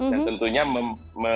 dan tentunya mem